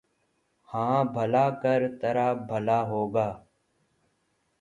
ہاں بھلا کر ترا بھلا ہوگا